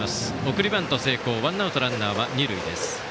送りバント成功、ワンアウトランナー、二塁です。